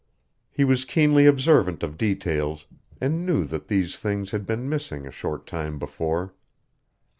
He was keenly observant of details, and knew that these things had been missing a short time before.